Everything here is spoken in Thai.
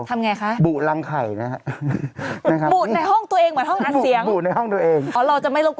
ทำอย่างไรคะ